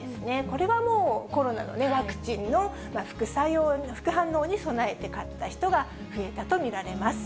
これはもう、コロナのワクチンの副反応に備えて買った人が増えたと見られます。